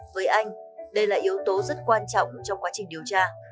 với anh đây là yếu tố rất quan trọng trong quá trình điều tra